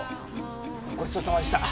ごちそうさまでした。